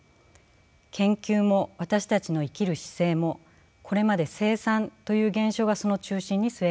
研究も私たちの生きる姿勢もこれまで生産という現象がその中心に据えられてきました。